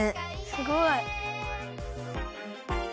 すごい。